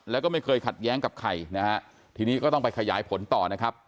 แล้วก็ไม่เคยขัดแย้งกับใครนะฮะทีนี้ก็ต้องไปขยายผลต่อนะครับ